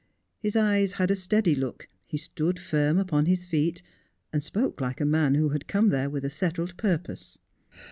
His eyes had a steady look, he stood firm upon his feet, and spoke like a man who had come there with a settled purpose.